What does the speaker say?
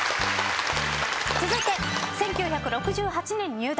続いて１９６８年入団。